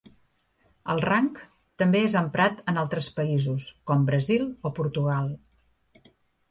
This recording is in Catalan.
El rang també és emprat en altres països, com Brasil o Portugal.